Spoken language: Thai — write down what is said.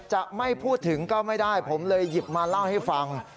จะไม่พูดถึงก็ไม่ได้ผมเลยหยิบมาเล่าให้ฟัง